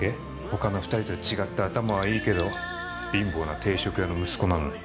他の２人と違って頭は良いけど貧乏な定食屋の息子なのに」